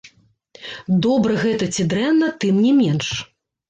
Добра гэта ці дрэнна, тым не менш.